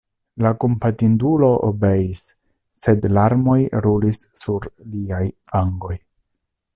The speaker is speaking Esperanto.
La kompatindulo obeis, sed larmoj rulis sur liaj vangoj.